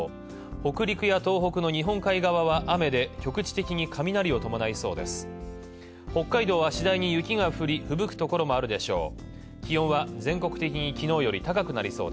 北陸や東北の日本海側は雨で局地的に雷を伴いそう。